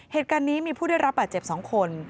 เหตุการณ์นี้มีผู้ได้รับบาดเจ็บ๒คน